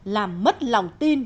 làm mất lòng tin